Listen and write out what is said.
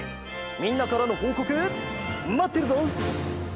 みんなからのほうこくまってるぞ！